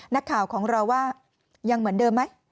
นักข่าวของเราว่ายังเหมือนเดิมไหม